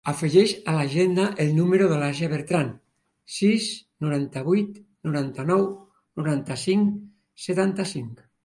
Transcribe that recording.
Afegeix a l'agenda el número de l'Àsia Bertran: sis, noranta-vuit, noranta-nou, noranta-cinc, setanta-cinc.